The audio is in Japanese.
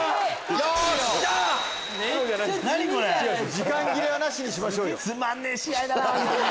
時間切れはなしにしましょうよ。